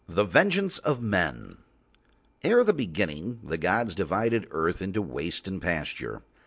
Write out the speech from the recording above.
THE VENGEANCE OF MEN Ere the Beginning the gods divided earth into waste and pasture.